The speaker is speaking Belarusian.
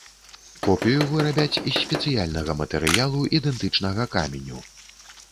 Копію вырабяць з спецыяльнага матэрыялу, ідэнтычнага каменю.